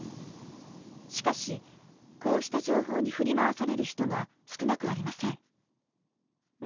しかしこうした情報に振り回される人が少なくありません。